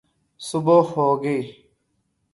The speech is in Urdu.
صبح ہو گئی